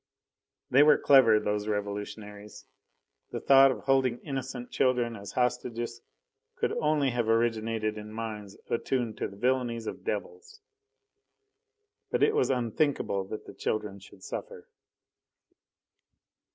They were clever, those revolutionaries. The thought of holding innocent children as hostages could only have originated in minds attuned to the villainies of devils. But it was unthinkable that the children should suffer.